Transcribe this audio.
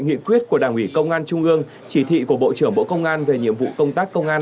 nghị quyết của đảng ủy công an trung ương chỉ thị của bộ trưởng bộ công an về nhiệm vụ công tác công an